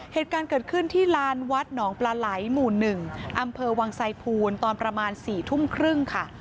เหตุการณ์เกิดขึ้นที่ลานวัดหนองปลาไหลหมู่๑อำเภอวังไซพูนตอนประมาณ๔ทุ่มครึ่งค่ะ